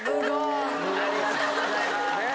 ありがとうございます。